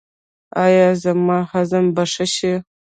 ایا زما هضم به ښه شي؟